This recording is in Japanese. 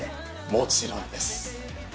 もちろんです。